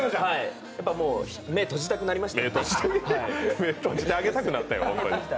やっぱ目、閉じたくなりました。